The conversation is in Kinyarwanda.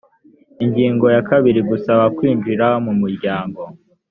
ingingo ya kabiri gusaba kwinjira mu muryango